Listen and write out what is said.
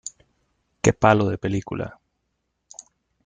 Qué palo de película.